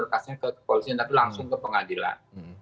ya itu sudah kembali ke pengadilan